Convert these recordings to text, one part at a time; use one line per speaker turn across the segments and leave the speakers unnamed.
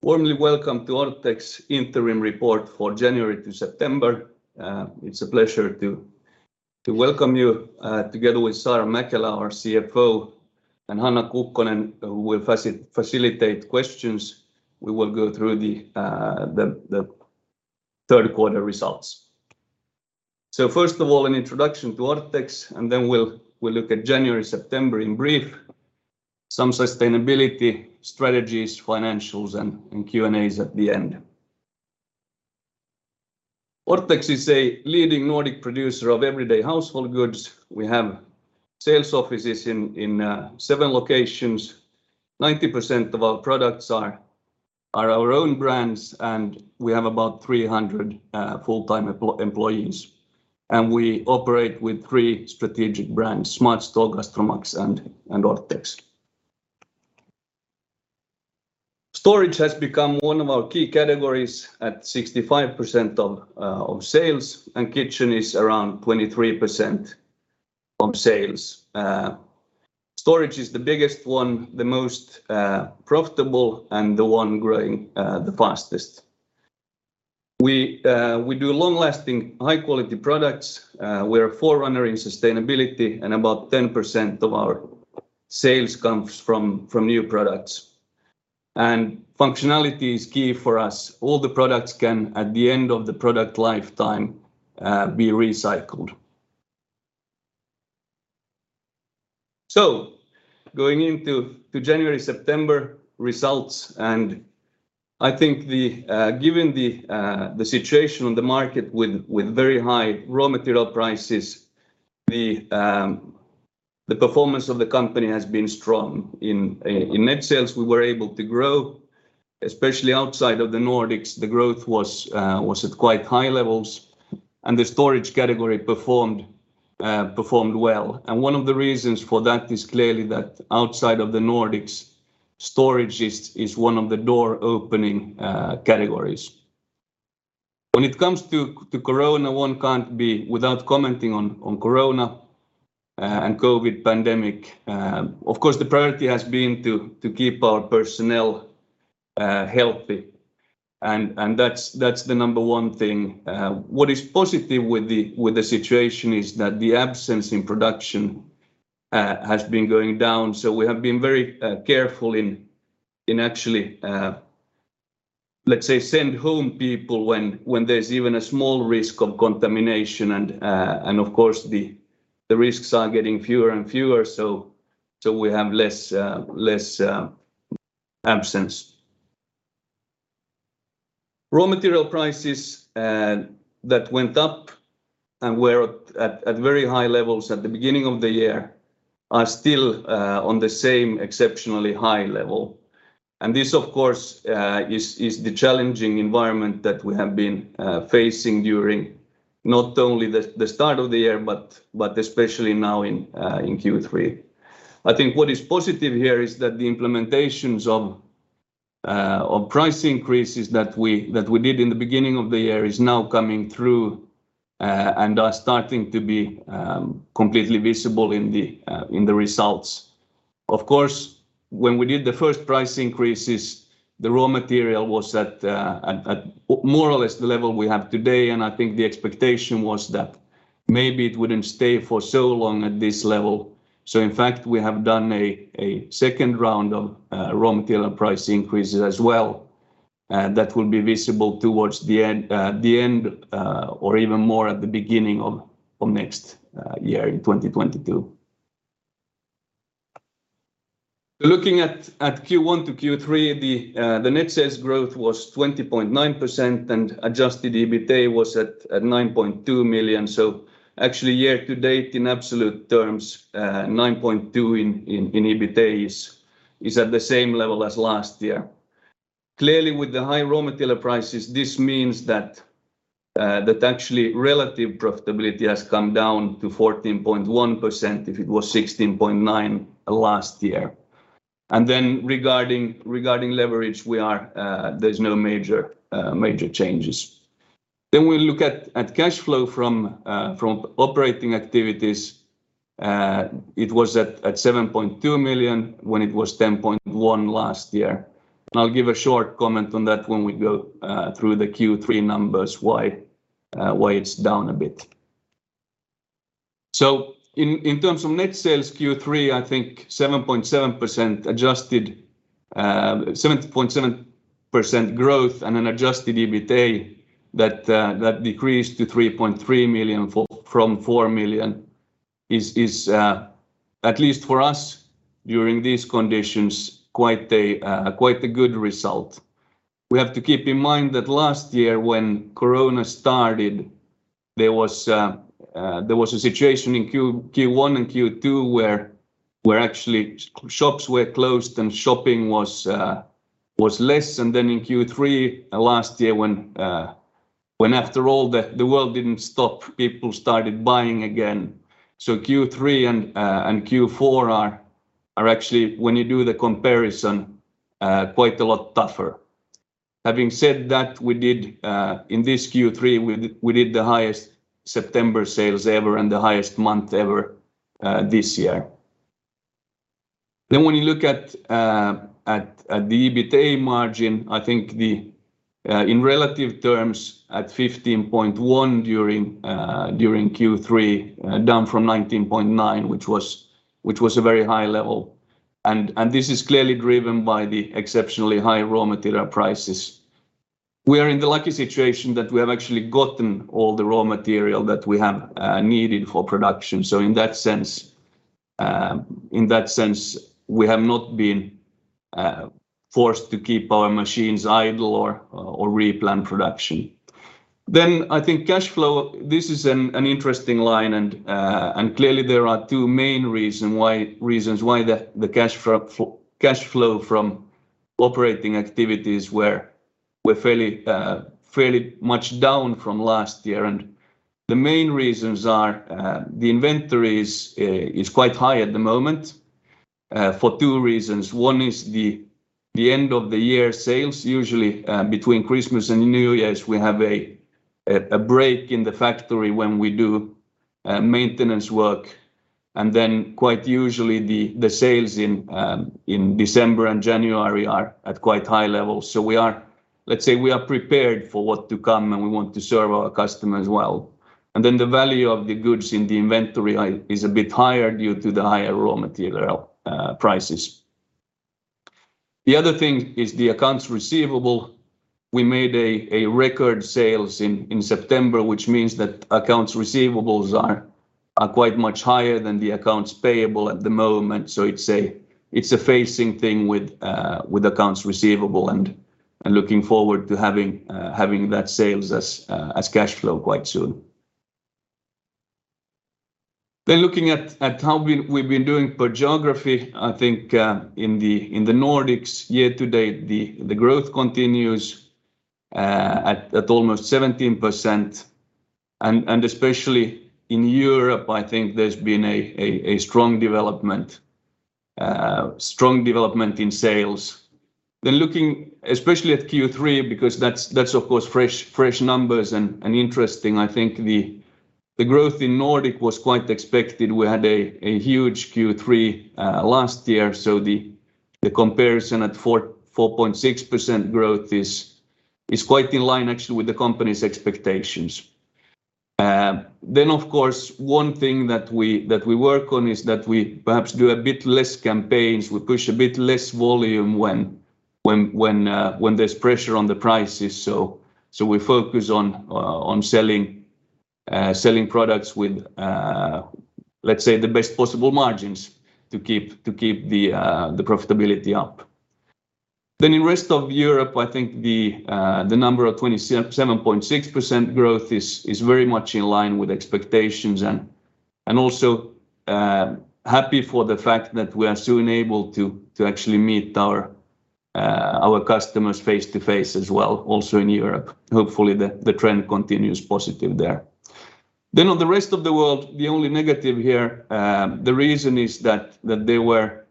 Warmly welcome to Orthex interim report for January to September. It's a pleasure to welcome you together with Saara Mäkelä, our CFO, and Hanna Kukkonen, who will facilitate questions. We will go through the third quarter results. First of all, an introduction to Orthex, and then we'll look at January-September in brief. Some sustainability, strategies, financials, and Q&As at the end. Orthex is a leading Nordic producer of everyday household goods. We have sales offices in seven locations. 90% of our products are our own brands, and we have about 300 full-time employees. We operate with three strategic brands: SmartStore, GastroMax, and Orthex. Storage has become one of our key categories at 65% of sales, and kitchen is around 23% of sales. Storage is the biggest one, the most profitable, and the one growing the fastest. We do long-lasting, high-quality products. We're a forerunner in sustainability, and about 10% of our sales comes from new products. Functionality is key for us. All the products can, at the end of the product lifetime, be recycled. Going into the January-September results, I think given the situation on the market with very high raw material prices, the performance of the company has been strong. In net sales, we were able to grow, especially outside of the Nordics. The growth was at quite high levels, and the storage category performed well. One of the reasons for that is clearly that outside of the Nordics, storage is one of the door-opening categories. When it comes to corona, one can't be without commenting on corona and COVID pandemic. Of course, the priority has been to keep our personnel healthy and that's the number one thing. What is positive with the situation is that the absence in production has been going down, so we have been very careful in actually let's say send home people when there's even a small risk of contamination. Of course, the risks are getting fewer and fewer, so we have less absence. Raw material prices that went up and were at very high levels at the beginning of the year are still on the same exceptionally high level. This, of course, is the challenging environment that we have been facing during not only the start of the year, but especially now in Q3. I think what is positive here is that the implementations of price increases that we did in the beginning of the year is now coming through and are starting to be completely visible in the results. Of course, when we did the first price increases, the raw material was at more or less the level we have today, and I think the expectation was that maybe it wouldn't stay for so long at this level. In fact, we have done a second round of raw material price increases as well that will be visible towards the end or even more at the beginning of next year in 2022. Looking at Q1 to Q3, the net sales growth was 20.9%, and adjusted EBITA was at 9.2 million, so actually year to date in absolute terms, 9.2 million in EBITA is at the same level as last year. Clearly, with the high raw material prices, this means that actually relative profitability has come down to 14.1% if it was 16.9% last year. Regarding leverage, there are no major changes. We look at cash flow from operating activities. It was at 7.2 million when it was 10.1 million last year. I'll give a short comment on that when we go through the Q3 numbers, why it's down a bit. In terms of net sales Q3, I think 7.7% adjusted 7.7% growth and an adjusted EBITA that decreased to 3.3 million from 4 million is at least for us during these conditions, quite a good result. We have to keep in mind that last year when corona started, there was a situation in Q1 and Q2 where actually shops were closed and shopping was less. In Q3 last year when after all the world didn't stop, people started buying again. Q3 and Q4 are actually, when you do the comparison, quite a lot tougher. Having said that, we did in this Q3, we did the highest September sales ever and the highest month ever this year. When you look at the EBITA margin, I think in relative terms, at 15.1% during Q3, down from 19.9%, which was a very high level. This is clearly driven by the exceptionally high raw material prices. We are in the lucky situation that we have actually gotten all the raw material that we have needed for production. In that sense, we have not been forced to keep our machines idle or replan production. I think cash flow, this is an interesting line, and clearly there are two main reasons why the cash flow from operating activities were fairly much down from last year. The main reasons are, the inventory is quite high at the moment, for two reasons. One is the end of the year sales. Usually, between Christmas and New Year's, we have a break in the factory when we do maintenance work. Quite usually, the sales in December and January are at quite high levels. Let's say, we are prepared for what to come, and we want to serve our customers well. The value of the goods in the inventory is a bit higher due to the higher raw material prices. The other thing is the accounts receivable. We made a record sales in September, which means that accounts receivables are quite much higher than the accounts payable at the moment. It's a phasing thing with accounts receivable and looking forward to having that sales as cash flow quite soon. Looking at how we've been doing per geography, I think in the Nordics year to date, the growth continues at almost 17%. Especially in Europe, I think there's been a strong development. Strong development in sales. Looking especially at Q3, because that's of course fresh numbers and interesting. I think the growth in Nordic was quite expected. We had a huge Q3 last year. The comparison at 4.6% growth is quite in line actually with the company's expectations. Of course, one thing that we work on is that we perhaps do a bit less campaigns. We push a bit less volume when there's pressure on the prices. We focus on selling products with, let's say, the best possible margins to keep the profitability up. In rest of Europe, I think the number of 27.6% growth is very much in line with expectations and also happy for the fact that we are soon able to actually meet our customers face to face as well, also in Europe. Hopefully, the trend continues positive there. On the rest of the world, the only negative here, the reason is that there were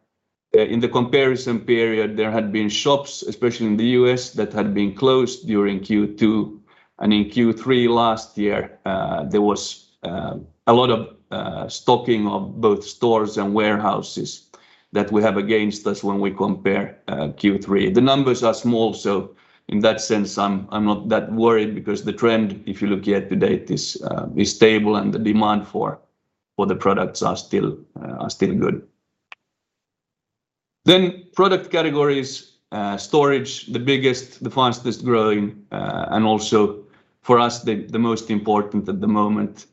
in the comparison period, there had been shops, especially in the U.S., that had been closed during Q2. In Q3 last year, there was a lot of stocking of both stores and warehouses that we have against us when we compare Q3. The numbers are small, so in that sense, I'm not that worried because the trend, if you look year to date, is stable and the demand for the products are still good. Product categories, storage, the biggest, the fastest-growing, and also for us, the most important at the moment,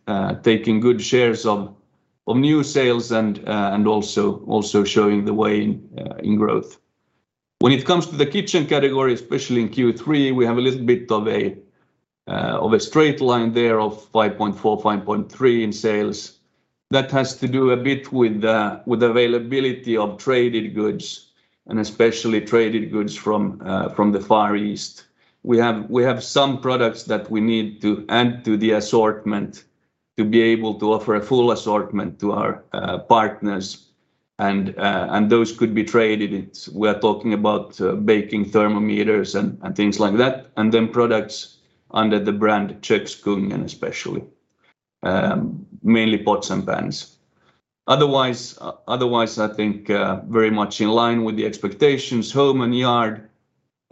taking good shares of new sales and also showing the way in growth. When it comes to the kitchen category, especially in Q3, we have a little bit of a straight line there of 5.4, 5.3 in sales. That has to do a bit with availability of traded goods and especially traded goods from the Far East. We have some products that we need to add to the assortment to be able to offer a full assortment to our partners and those could be traded. We are talking about baking thermometers and things like that, and then products under the brand Kökskungen especially, mainly pots and pans. Otherwise, I think very much in line with the expectations. Home and Garden,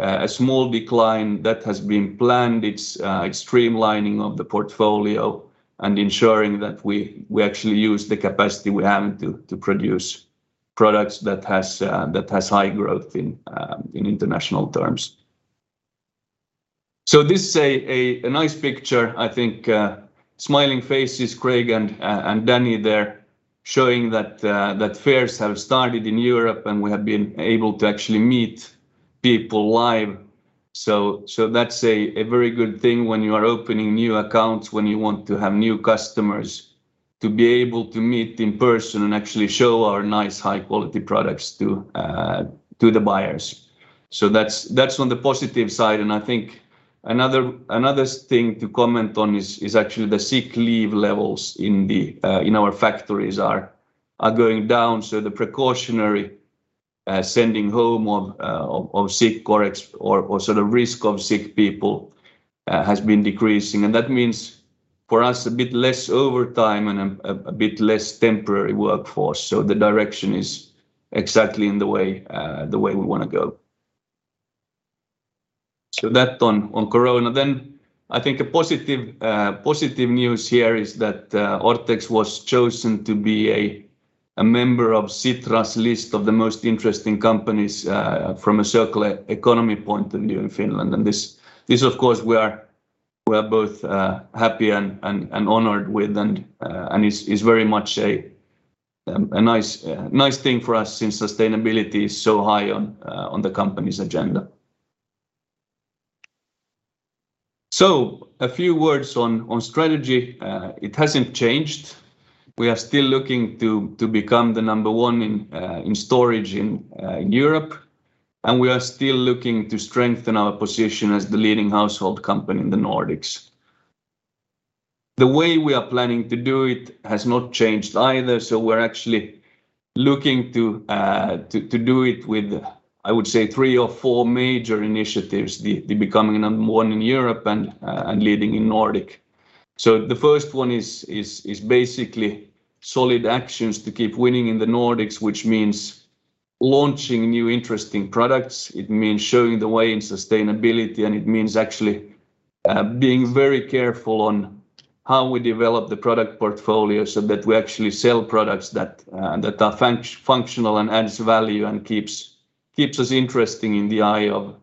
a small decline that has been planned. It's streamlining of the portfolio and ensuring that we actually use the capacity we have to produce products that has high growth in international terms. This is a nice picture. I think smiling faces, Craig and Danny there showing that fairs have started in Europe, and we have been able to actually meet people live. That's a very good thing when you are opening new accounts, when you want to have new customers, to be able to meet in person and actually show our nice high-quality products to the buyers. That's on the positive side. I think another thing to comment on is actually the sick leave levels in our factories are going down, so the precautionary sending home of sick or exposed or sort of risk of sick people has been decreasing. That means for us a bit less overtime and a bit less temporary workforce. The direction is exactly in the way we wanna go that on corona. I think a positive news here is that Orthex was chosen to be a member of Sitra's list of the most interesting companies from a circular economy point of view in Finland, and this of course we are both happy and honored with, and it is very much a nice thing for us since sustainability is so high on the company's agenda. A few words on strategy. It hasn't changed. We are still looking to become the number one in storage in Europe, and we are still looking to strengthen our position as the leading household company in the Nordics. The way we are planning to do it has not changed either, so we're actually looking to do it with, I would say, three or four major initiatives. Becoming number one in Europe and leading in the Nordics. The first one is basically solid actions to keep winning in the Nordics, which means launching new interesting products. It means showing the way in sustainability, and it means actually being very careful on how we develop the product portfolio so that we actually sell products that are functional and adds value and keeps us interesting in the eye of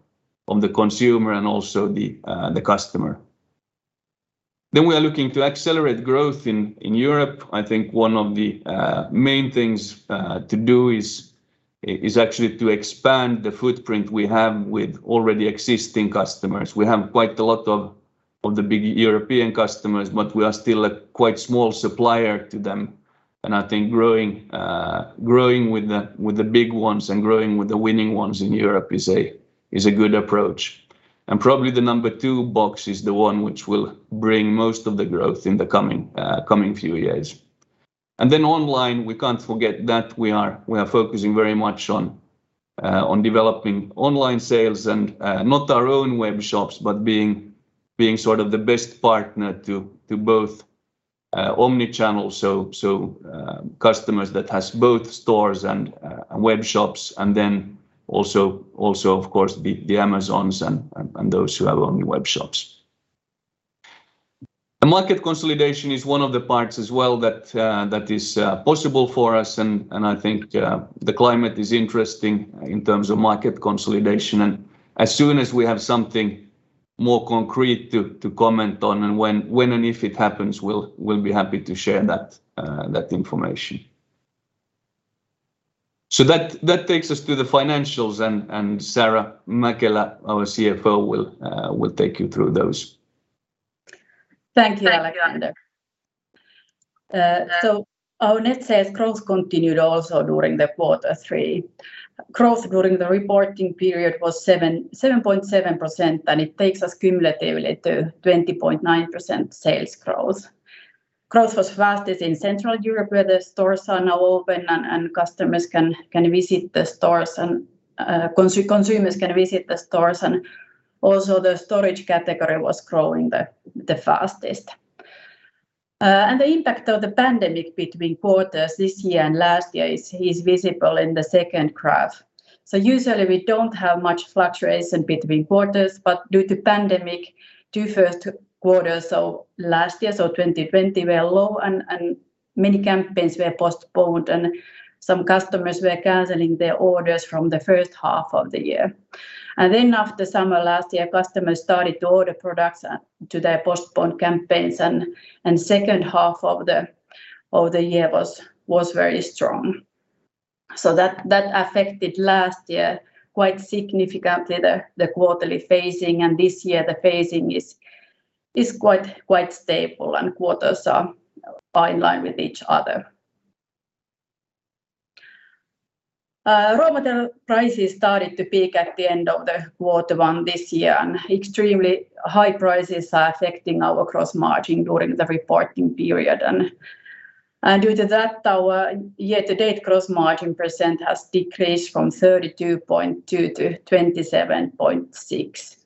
the consumer and also the customer. We are looking to accelerate growth in Europe. I think one of the main things to do is actually to expand the footprint we have with already existing customers. We have quite a lot of the big European customers, but we are still a quite small supplier to them, and I think growing with the big ones and growing with the winning ones in Europe is a good approach. Probably the number two box is the one which will bring most of the growth in the coming few years. Online, we can't forget that we are focusing very much on developing online sales and not our own web shops, but being sort of the best partner to both omni-channel, so customers that has both stores and web shops and then also of course the Amazons and those who have only web shops. The market consolidation is one of the parts as well that is possible for us and I think the climate is interesting in terms of market consolidation. As soon as we have something more concrete to comment on and when and if it happens, we'll be happy to share that information. That takes us to the financials and Saara Mäkelä, our CFO, will take you through those.
Thank you, Alexander. Our net sales growth continued also during quarter three. Growth during the reporting period was 7.7%, and it takes us cumulatively to 20.9% sales growth. Growth was fastest in Central Europe, where the stores are now open and customers can visit the stores and consumers can visit the stores and also the storage category was growing the fastest. The impact of the pandemic between quarters this year and last year is visible in the second graph. Usually we don't have much fluctuation between quarters, but due to pandemic, two first quarters of last year, so 2020, were low and many campaigns were postponed and some customers were canceling their orders from the first half of the year. After summer last year, customers started to order products to their postponed campaigns and second half of the year was very strong. That affected last year quite significantly the quarterly phasing, and this year the phasing is quite stable and quarters are in line with each other. Raw material prices started to peak at the end of quarter one this year, and extremely high prices are affecting our gross margin during the reporting period and due to that our year-to-date gross margin % has decreased from 32.2% to 27.6%.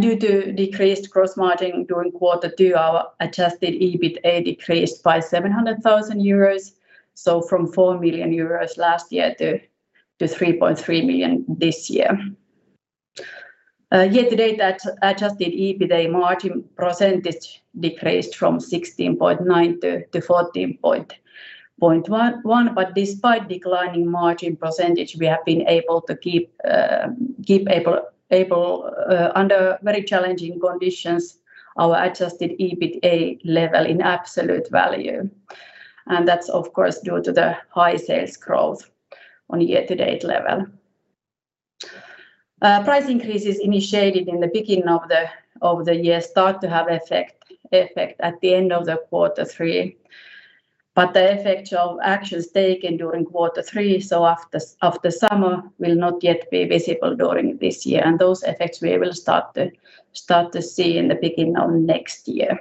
Due to decreased gross margin during quarter two, our adjusted EBITA decreased by 700,000 euros, so from 4 million euros last year to 3.3 million this year. Year to date that adjusted EBITA margin percentage decreased from 16.9%-14.1%, but despite declining margin percentage we have been able to keep our adjusted EBITA level in absolute value. That's of course due to the high sales growth on a year-to-date level. Price increases initiated in the beginning of the year start to have effect at the end of quarter three. The effect of actions taken during quarter three, so after summer, will not yet be visible during this year, and those effects we will start to see in the beginning of next year.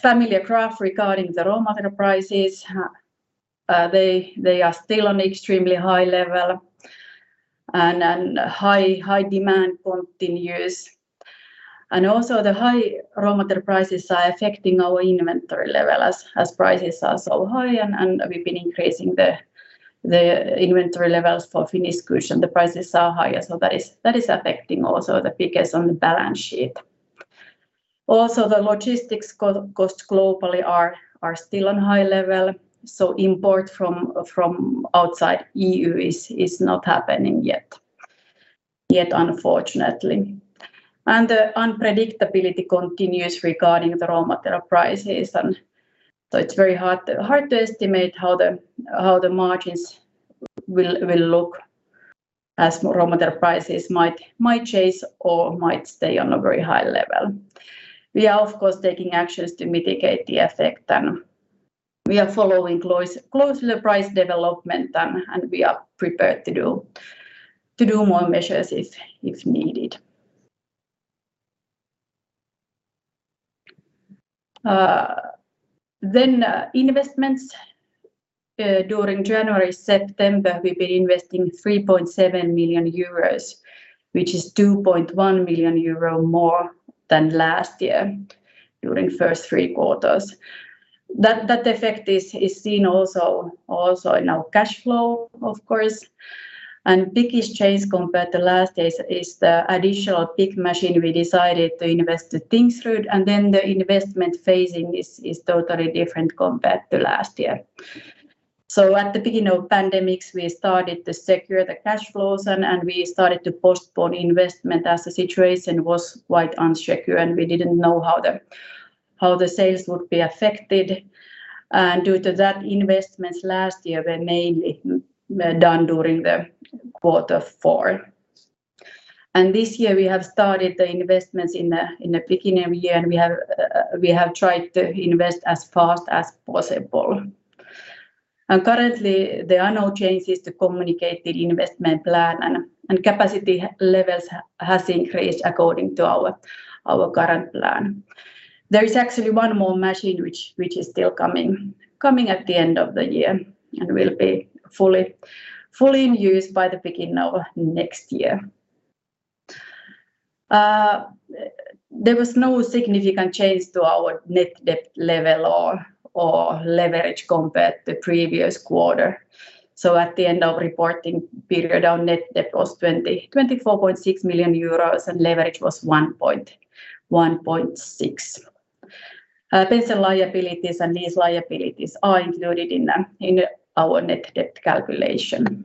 Familiar graph regarding the raw material prices. They are still on extremely high level and high demand continues. Also the high raw material prices are affecting our inventory level as prices are so high and we've been increasing the inventory levels for finished goods and the prices are higher. That is affecting also the figures on the balance sheet. The logistics costs globally are still on high level, so import from outside EU is not happening yet unfortunately. The unpredictability continues regarding the raw material prices and so it's very hard to estimate how the margins will look as raw material prices might decrease or might stay on a very high level. We are of course taking actions to mitigate the effect and we are following closely the price development and we are prepared to do more measures if needed. Investments during January-September, we've been investing 3.7 million euros, which is 2.1 million euro more than last year during first three quarters. That effect is seen also in our cash flow of course, and biggest change compared to last is the additional big machine we decided to invest in Tingsryd, and then the investment phasing is totally different compared to last year. At the beginning of the pandemic, we started to secure the cash flows and we started to postpone investment as the situation was quite uncertain and we didn't know how the sales would be affected. Due to that, investments last year were mainly done during the quarter four. This year we have started the investments in the beginning of the year, and we have tried to invest as fast as possible. Currently there are no changes to communicated investment plan and capacity levels has increased according to our current plan. There is actually one more machine which is still coming at the end of the year, and will be fully in use by the beginning of next year. There was no significant change to our net debt level or leverage compared to previous quarter. At the end of reporting period, our net debt was 24.6 million euros and leverage was 1.6x. Pension liabilities and lease liabilities are included in our net debt calculation.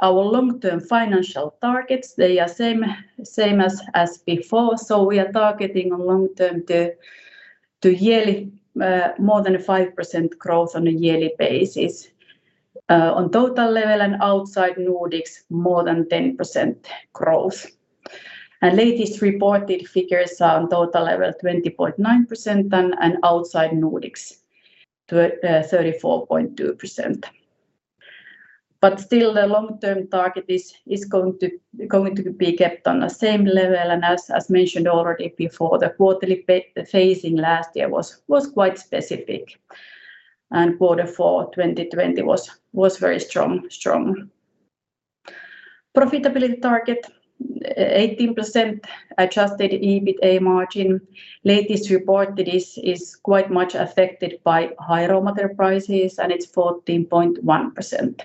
Our long-term financial targets, they are same as before. We are targeting long-term more than 5% growth on a yearly basis on total level and outside Nordics, more than 10% growth. Latest reported figures are on total level 20.9% and outside Nordics 34.2%. Still the long-term target is going to be kept on the same level. As mentioned already before, the quarterly phasing last year was quite specific and quarter four 2020 was very strong. Profitability target 18% adjusted EBITA margin. Latest reported is quite much affected by high raw material prices, and it's 14.1%.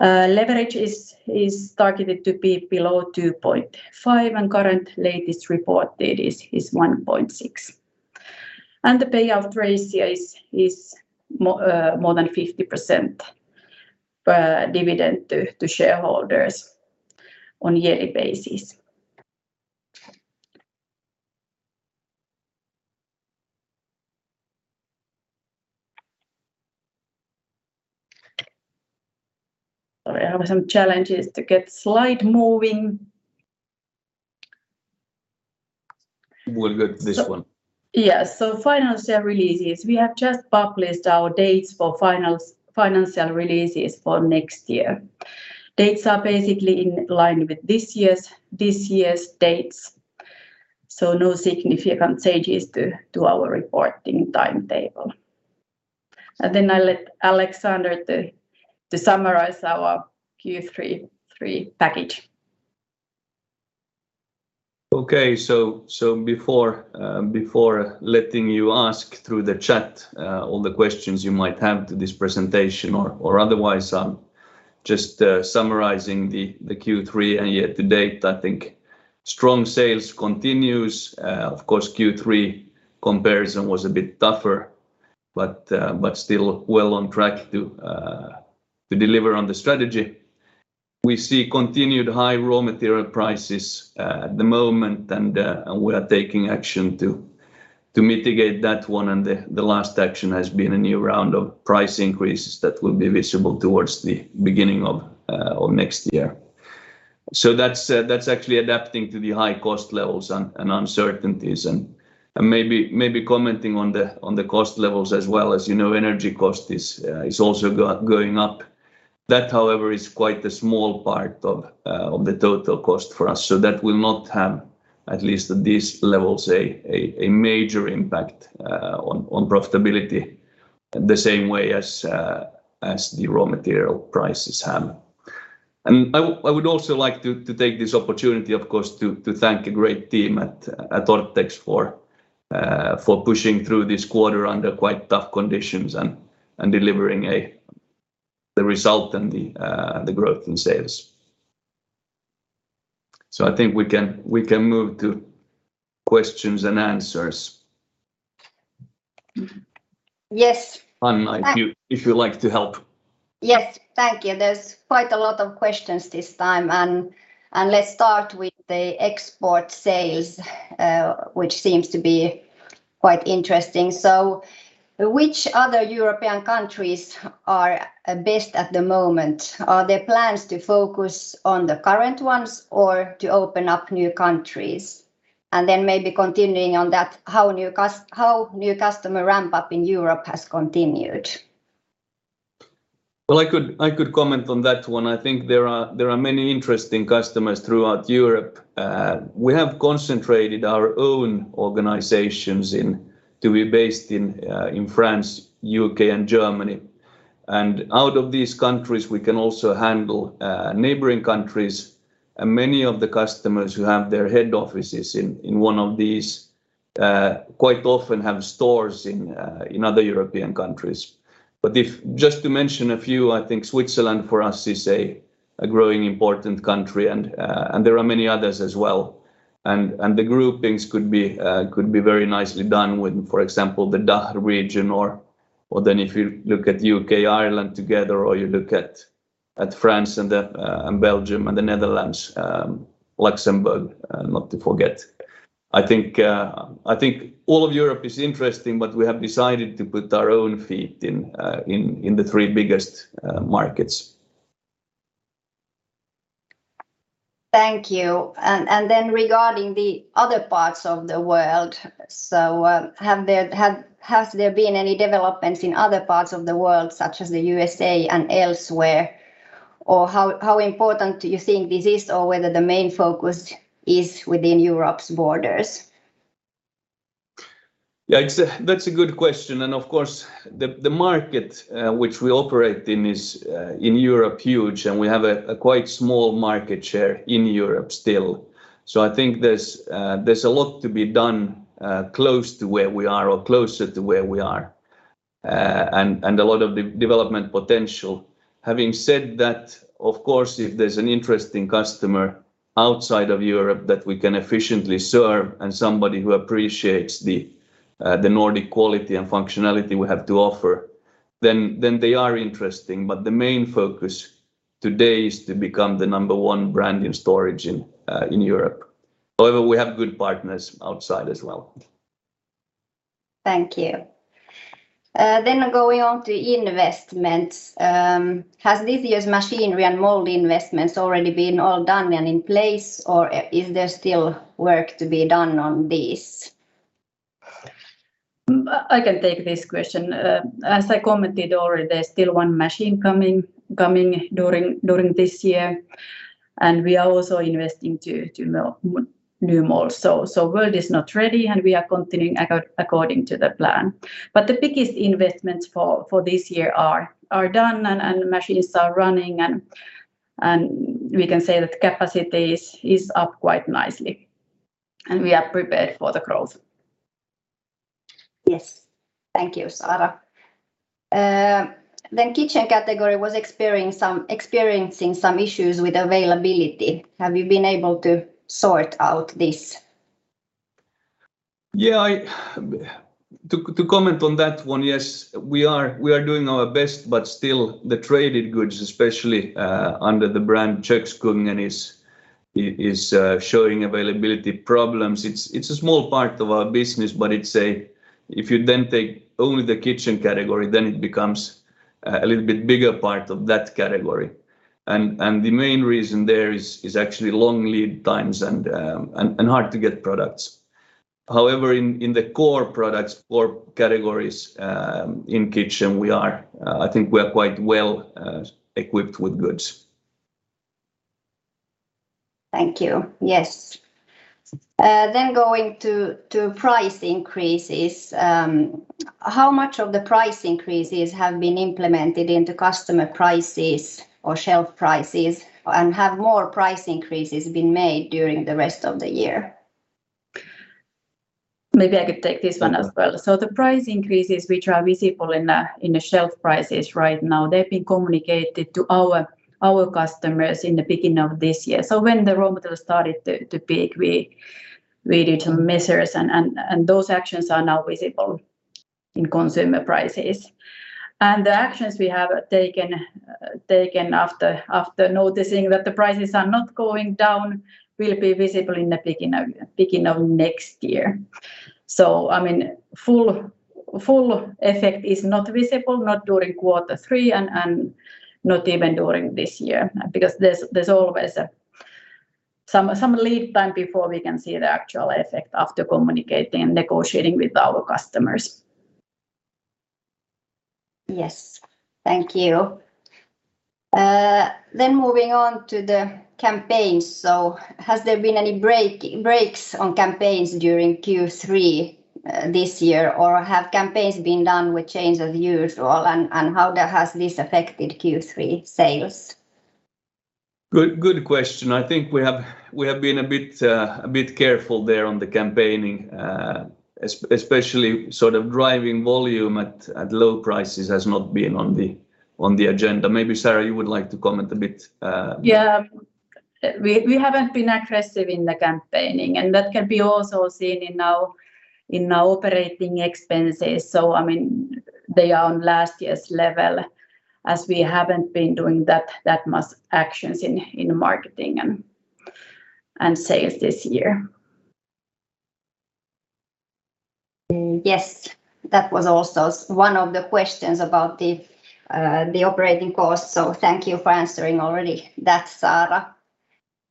Leverage is targeted to be below 2.5x, and current latest reported is 1.6x. The payout ratio is more than 50%, dividend to shareholders on yearly basis. Sorry, I have some challenges to get slide moving.
We'll get this one.
Financial releases, we have just published our dates for financial releases for next year. Dates are basically in line with this year's dates, so no significant changes to our reporting timetable. I'll let Alexander to summarize our Q3 package.
Okay. Before letting you ask through the chat, all the questions you might have to this presentation or otherwise, just summarizing the Q3 and year to date, I think strong sales continues. Of course Q3 comparison was a bit tougher, but still well on track to deliver on the strategy. We see continued high raw material prices at the moment, and we are taking action to mitigate that one. The last action has been a new round of price increases that will be visible towards the beginning of next year. That's actually adapting to the high cost levels and uncertainties. Maybe commenting on the cost levels as well. As you know, energy cost is also going up. That, however, is quite the small part of the total cost for us. That will not have, at least at this levels, a major impact on profitability the same way as the raw material prices have. I would also like to take this opportunity of course to thank a great team at Orthex for pushing through this quarter under quite tough conditions and delivering the result and the growth in sales. I think we can move to questions and answers.
Yes.
Hanna, if you would like to help.
Yes. Thank you. There's quite a lot of questions this time, and let's start with the export sales, which seems to be quite interesting. Which other European countries are based at the moment? Are there plans to focus on the current ones or to open up new countries? Maybe continuing on that, how new customer ramp-up in Europe has continued?
Well, I could comment on that one. I think there are many interesting customers throughout Europe. We have concentrated our own organizations to be based in France, U.K., and Germany. Out of these countries we can also handle neighboring countries. Many of the customers who have their head offices in one of these quite often have stores in other European countries. Just to mention a few, I think Switzerland for us is a growing important country, and there are many others as well. The groupings could be very nicely done with, for example, the DACH region or then if you look at U.K., Ireland together, or you look at France and Belgium and the Netherlands, Luxembourg, not to forget. I think all of Europe is interesting, but we have decided to put our own feet in the three biggest markets.
Thank you. Regarding the other parts of the world, has there been any developments in other parts of the world such as the U.S.A. and elsewhere, or how important do you think this is or whether the main focus is within Europe's borders?
Yeah, it's a good question. That's a good question. Of course the market which we operate in is huge in Europe, and we have a quite small market share in Europe still. I think there's a lot to be done close to where we are or closer to where we are and a lot of development potential. Having said that, of course if there's an interesting customer outside of Europe that we can efficiently serve and somebody who appreciates the Nordic quality and functionality we have to offer, then they are interesting. The main focus today is to become the number one brand in storage in Europe. We have good partners outside as well.
Thank you. Going on to investments, has this year's machinery and mold investments already been all done and in place, or is there still work to be done on this?
I can take this question. As I commented already, there's still one machine coming during this year, and we are also investing in new molds. We're not ready, and we are continuing according to the plan. The biggest investments for this year are done and machines are running, and we can say that capacity is up quite nicely and we are prepared for the growth.
Yes. Thank you, Saara. Kitchen category was experiencing some issues with availability. Have you been able to sort out this?
To comment on that one, yes, we are doing our best, but still the traded goods, especially, under the brand Kökskungen is showing availability problems. It's a small part of our business, but it's. If you then take only the kitchen category, then it becomes a little bit bigger part of that category. The main reason there is actually long lead times and hard to get products. However, in the core products or categories in kitchen, we are, I think we are quite well equipped with goods.
Thank you. Yes. Going to price increases, how much of the price increases have been implemented into customer prices or shelf prices, and have more price increases been made during the rest of the year?
Maybe I could take this one as well. The price increases which are visible in the shelf prices right now, they've been communicated to our customers in the beginning of this year. When the raw materials started to peak, we did some measures and those actions are now visible in consumer prices. The actions we have taken after noticing that the prices are not going down will be visible in the beginning of next year. I mean, full effect is not visible, not during quarter three and not even during this year because there's always a some lead time before we can see the actual effect after communicating, negotiating with our customers.
Yes. Thank you. Moving on to the campaigns. Has there been any breaks on campaigns during Q3 this year, or have campaigns been done without change as usual, and how has this affected Q3 sales?
Good question. I think we have been a bit careful there on the campaigning. Especially sort of driving volume at low prices has not been on the agenda. Maybe Saara, you would like to comment a bit.
Yeah. We haven't been aggressive in the campaigning, and that can be also seen in our operating expenses. I mean, they are on last year's level as we haven't been doing that much actions in marketing and sales this year.
Yes. That was also one of the questions about the operating costs, so thank you for answering already that, Saara.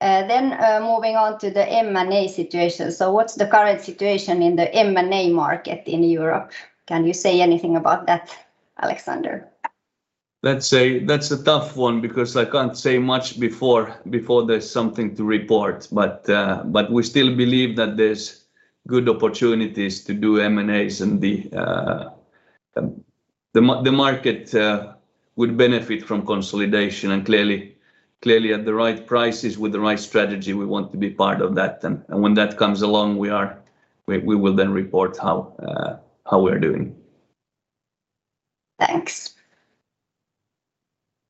Moving on to the M&A situation. What's the current situation in the M&A market in Europe? Can you say anything about that, Alexander?
Let's say that's a tough one because I can't say much before there's something to report. We still believe that there's good opportunities to do M&As, and the market would benefit from consolidation, and clearly at the right prices with the right strategy, we want to be part of that. When that comes along, we will then report how we're doing.
Thanks.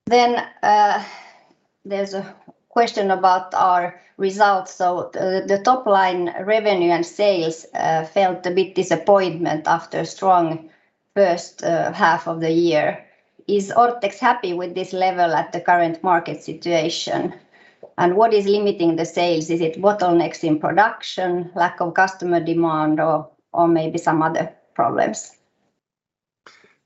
There's a question about our results. The top line revenue and sales was a bit disappointing after strong first half of the year. Is Orthex happy with this level at the current market situation? What is limiting the sales? Is it bottlenecks in production, lack of customer demand or maybe some other problems?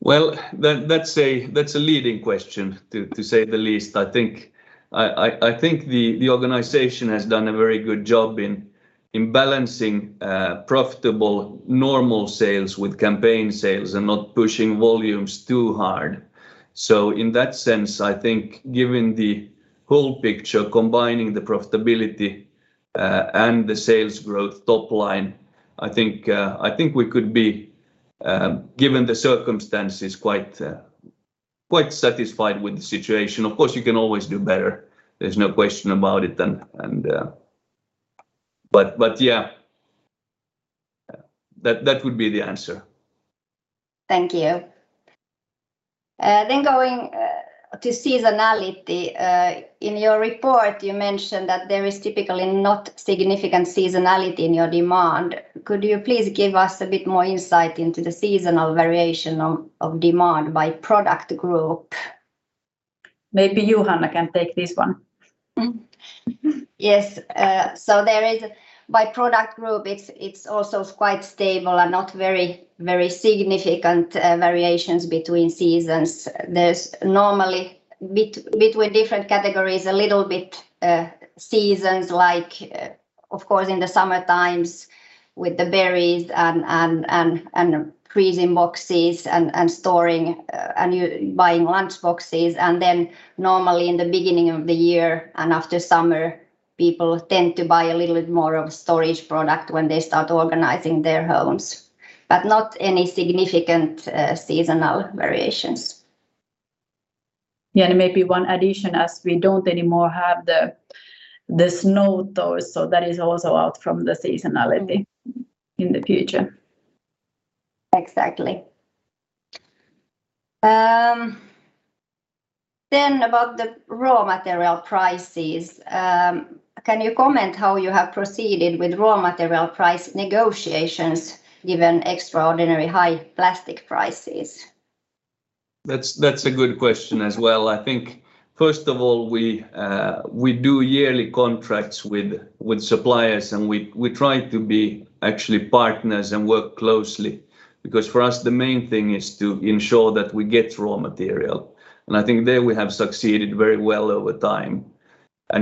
Well, that's a leading question to say the least. I think the organization has done a very good job in balancing profitable normal sales with campaign sales and not pushing volumes too hard. In that sense, I think given the whole picture, combining the profitability and the sales growth top line, I think we could be given the circumstances quite satisfied with the situation. Of course, you can always do better. There's no question about it. But yeah. That would be the answer.
Thank you. Going to seasonality. In your report, you mentioned that there is typically not significant seasonality in your demand. Could you please give us a bit more insight into the seasonal variation of demand by product group?
Maybe Hanna can take this one.
By product group, it's also quite stable and not very significant variations between seasons. There's normally between different categories a little bit seasons like of course in the summer times with the berries and freezing boxes and storing and you buying lunch boxes. Normally in the beginning of the year and after summer, people tend to buy a little bit more of storage product when they start organizing their homes. Not any significant seasonal variations.
Yeah, maybe one addition, as we don't anymore have the snow though, so that is also out from the seasonality in the future.
Exactly. About the raw material prices. Can you comment how you have proceeded with raw material price negotiations given extraordinary high plastic prices?
That's a good question as well. I think first of all, we do yearly contracts with suppliers, and we try to be actually partners and work closely because for us, the main thing is to ensure that we get raw material, and I think there we have succeeded very well over time.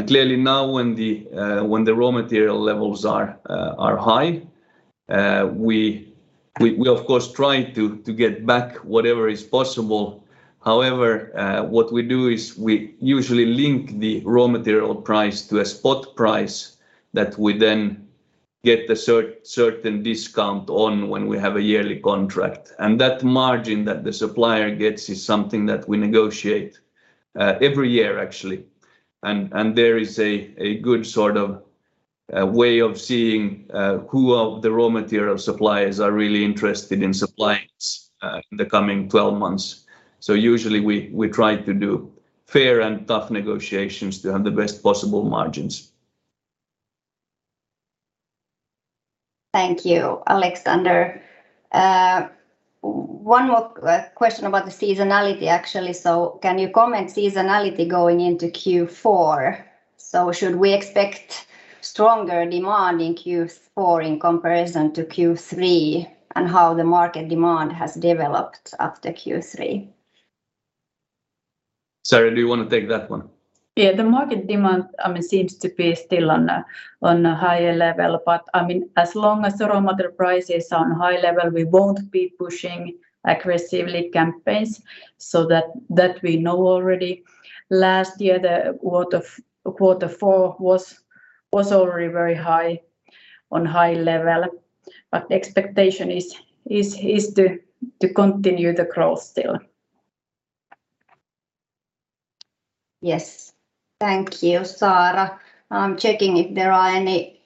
Clearly now when the raw material levels are high, we of course try to get back whatever is possible. However, what we do is we usually link the raw material price to a spot price that we then get the certain discount on when we have a yearly contract. That margin that the supplier gets is something that we negotiate every year actually. There is a good sort of way of seeing who of the raw material suppliers are really interested in supplying us in the coming 12 months. Usually we try to do fair and tough negotiations to have the best possible margins.
Thank you, Alexander. One more question about the seasonality actually. Can you comment on seasonality going into Q4? Should we expect stronger demand in Q4 in comparison to Q3, and how the market demand has developed after Q3?
Saara, do you wanna take that one?
Yeah. The market demand, I mean, seems to be still on a higher level, but I mean, as long as the raw material prices are on high level, we won't be pushing aggressively campaigns, so that we know already. Last year quarter four was already very high, on high level, but expectation is to continue the growth still.
Yes. Thank you, Saara. I'm checking if there are any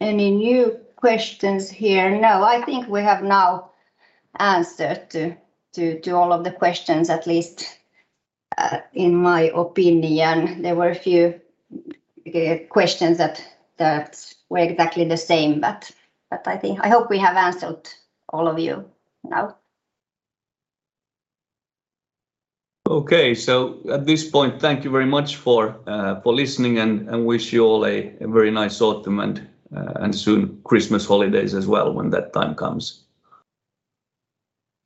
new questions here. No, I think we have now answered to all of the questions, at least, in my opinion. There were a few questions that were exactly the same, but I think. I hope we have answered all of you now.
Okay. At this point, thank you very much for listening and wish you all a very nice autumn and soon Christmas holidays as well when that time comes.